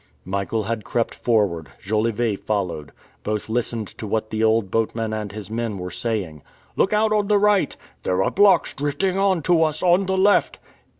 Michael had crept forward; Jolivet followed; both listened to what the old boatman and his men were saying. "Look out on the right!" "There are blocks drifting on to us on the left!"